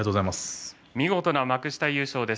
見事な幕下優勝です。